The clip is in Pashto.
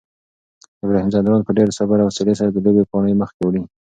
ابراهیم ځدراڼ په ډېر صبر او حوصلې سره د لوبې پاڼۍ مخکې وړي.